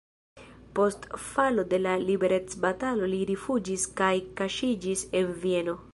Post falo de la liberecbatalo li rifuĝis kaj kaŝiĝis en Vieno.